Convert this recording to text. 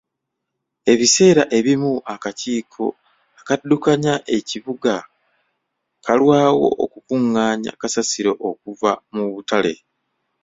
Ebiseera ebimu akakiiko akaddukanya ekibuga kalwawo okukungaanya kasasiro okuva mu butale.